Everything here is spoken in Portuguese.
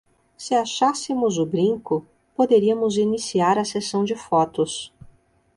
Se achássemos o brinco, poderíamos iniciar a sessão de fotos.